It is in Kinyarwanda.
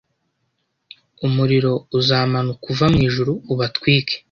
Umuriro uzamanuka uva mu ijuru ubatwike